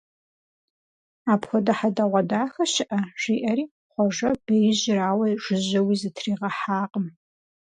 Апхуэдэ хьэдэгъуэдахэ щыӀэ! - жиӀэри, Хъуэжэ беижьыр ауэ жыжьэуи зытригъэхьакъым.